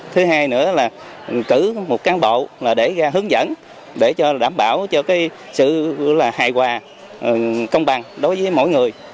thứ hai nữa là cử một cán bộ để ra hướng dẫn để đảm bảo sự hài hòa công bằng đối với mỗi người